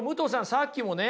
さっきもね